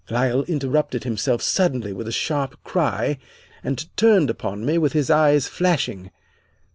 Lyle interrupted himself suddenly with a sharp cry and turned upon me with his eyes flashing.